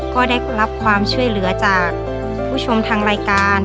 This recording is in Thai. ก็ได้รับความช่วยเหลือจากผู้ชมทางรายการ